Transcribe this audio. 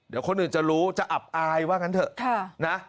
เดี๋ยวคนอื่นจะรู้จะอับอายว่างั้นเถอะนะ